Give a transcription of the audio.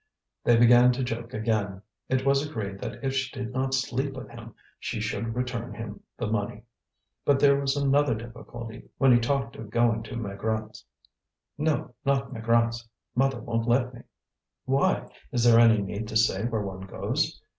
They began to joke again: it was agreed that if she did not sleep with him she should return him the money. But there was another difficulty when he talked of going to Maigrat's. "No, not Maigrat's; mother won't let me." "Why? is there any need to say where one goes?